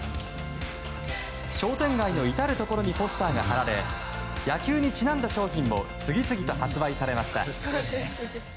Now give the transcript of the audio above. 商店街の至るところにポスターが貼られ野球にちなんだ商品も次々と発売されました。